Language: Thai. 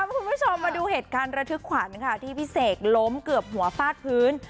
คุณผู้ชมมาดูเหตุการณ์ระทึกขวัญค่ะที่พี่เสกล้มเกือบหัวฟาดพื้น